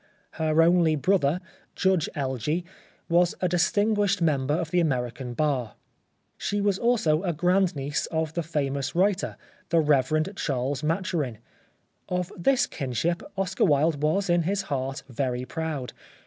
Her only brother, Judge Elgee, was a distinguished member of the American bar. She was also a grand niece of the famous writer, the Rev. Charles Maturin. Of this kinship Oscar Wilde was in his heart very proud.